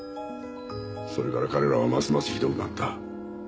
それから彼らはますますひどくなった。